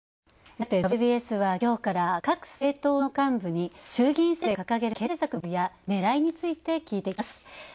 さて、「ＷＢＳ」は今日から各政党の幹部に衆議院選挙で掲げる経済政策の具体策や狙いについて聞いていきます。